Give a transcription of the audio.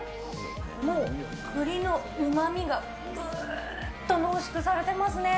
もう、栗のうまみがぐーっと濃縮されてますね。